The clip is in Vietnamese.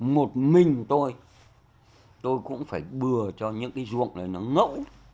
một mình tôi tôi cũng phải bừa cho những cái ruộng này nó ngẫu ý